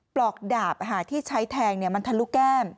ปลอกดาบที่ใช้แทงมันทะลุแก้ม